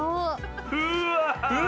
うわ！